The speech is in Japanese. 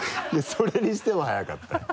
それにしても早かったよ。